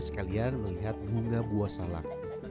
sekalian melihat bunga buah salak